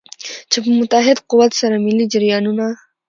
چې په متحد قوت سره ملي جریانونه.